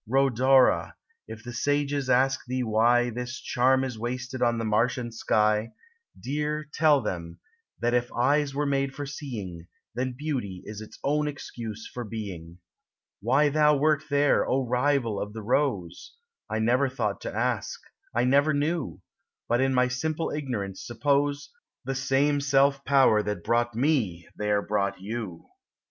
Rhodora ! if the sages ask thee why This charm is wasted on the marsh and sky, Dear, tell them, that if eyes were made for seeing, Then beauty is its own excuse for being. Why thou wert there, O rival of the rose ! I never thought to ask; I never knew, But in my simple ignorance suppose The self same Power that brought me there brought you.